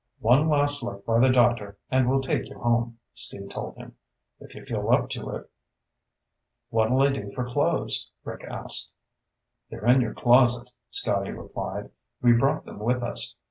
"One last look by the doctor and we'll take you home," Steve told him. "If you feel up to it." "What'll I do for clothes?" Rick asked. "They're in your closet," Scotty replied. "We brought them with us.